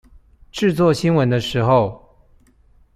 製作新聞的時候